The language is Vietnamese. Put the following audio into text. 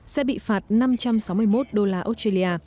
sẽ bị phạt năm trăm sáu mươi một đô la australia